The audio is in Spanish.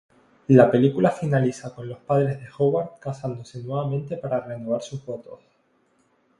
La película finaliza con los padres de Howard casándose nuevamente para renovar sus votos.